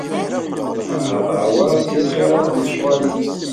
Lqaɛa teṛwa si lxirat n lecɣal-is.